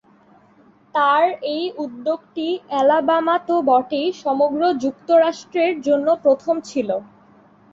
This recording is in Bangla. তার এই উদ্যোগটি অ্যালাবামা তো বটেই, সমগ্র যুক্তরাষ্ট্রের জন্য প্রথম ছিল।